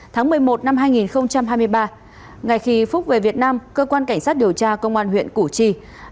tháng một mươi một năm hai nghìn hai mươi ba ngày khi phúc về việt nam cơ quan cảnh sát điều tra công an huyện củ chi